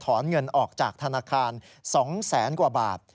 เงินออกจากธนาคาร๒แสนกว่าบาท